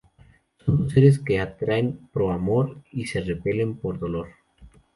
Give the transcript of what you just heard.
Son dos seres que se atraen pro amor y se repelen por dolor.